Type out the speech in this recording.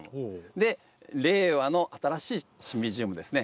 で令和の新しいシンビジウムですね。